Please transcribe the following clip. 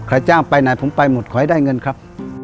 จ้างไปไหนผมไปหมดขอให้ได้เงินครับ